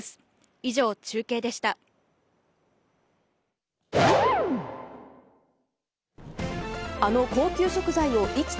以上、中継でした。